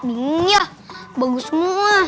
ini yah bagus semua